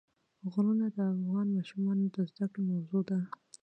غرونه د افغان ماشومانو د زده کړې موضوع ده.